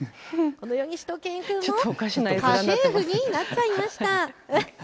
このようにしゅと犬くんも家政婦になっちゃいました。